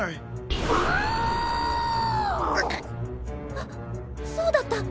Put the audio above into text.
ハッそうだった。